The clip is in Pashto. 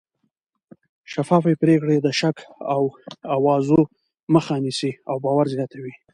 شفافه پرېکړې د شک او اوازو مخه نیسي او باور زیاتوي